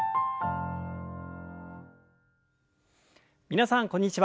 皆さんこんにちは。